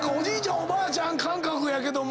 おばあちゃん感覚やけども。